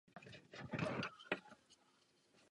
Box měl v Olympii volnější pravidla a byl tvrdší než dnešní.